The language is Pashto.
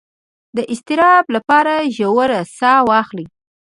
د اضطراب لپاره ژوره ساه واخلئ